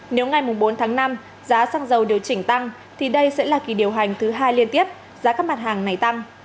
nếu ngày bốn tháng năm giá xăng dầu điều chỉnh tăng thì đây sẽ là kỳ điều hành thứ hai liên tiếp giá các mặt hàng này tăng